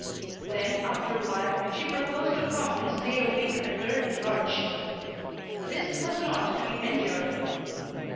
Then after a while she proposed to come and stay a week at Durton Lodge. This was not to be endured.